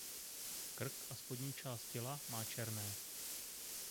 Krk a spodní část těla má černé.